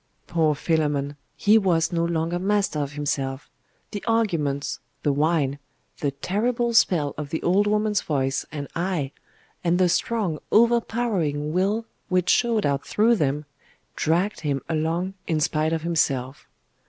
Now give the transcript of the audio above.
Poor Philammon! He was no longer master of himself. The arguments the wine the terrible spell of the old woman's voice and eye, and the strong overpowering will which showed out through them, dragged him along in spite of himself.